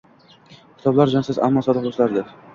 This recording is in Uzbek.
Kitoblar jonsiz, ammo sodiq do‘stlardir